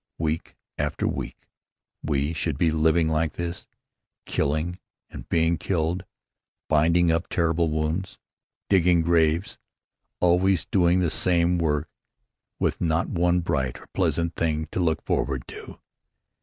Week after week we should be living like this, killing and being killed, binding up terrible wounds, digging graves, always doing the same work with not one bright or pleasant thing to look forward to.